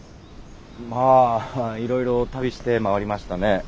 まあいろいろ旅して回りましたね。